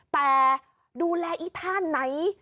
แต่ดูแลอีท่าไหน